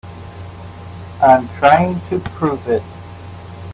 I'm trying to prove it.